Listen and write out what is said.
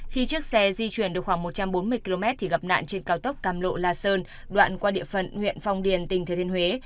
khi chiếc xe di chuyển được khoảng một trăm bốn mươi km thì gặp nạn trên cao tốc cam lộ la sơn đoạn qua địa phận huyện phong điền tỉnh thừa thiên huế